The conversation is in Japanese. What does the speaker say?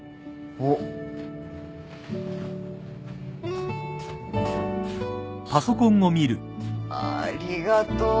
はっありがとう！